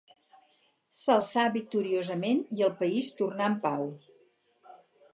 S'alçà victoriosament, i el país tornà en pau.